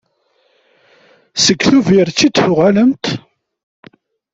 Seg Tibet i d-tuɣalemt?